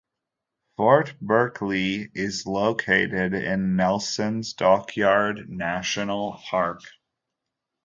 Fort Berkeley is located in Nelson's Dockyard National Park.